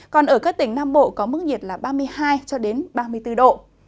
còn ở các tỉnh nam bộ có mức nhiệt là ba mươi hai ba mươi bốn độ